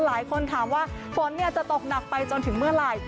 หลายคนถามว่าฝนจะตกหนักไปจนถึงเมื่อไหร่